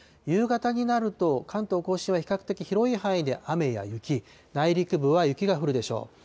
夕方になると、関東甲信は比較的広い範囲で雨や雪、内陸部は雪が降るでしょう。